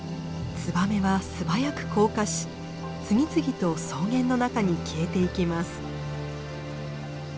ツバメは素早く降下し次々と草原の中に消えていきます。